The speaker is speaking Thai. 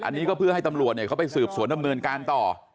อันนี้ก็เพื่อให้ตำรวจเขาไปสืบสวนดำเนินการต่อ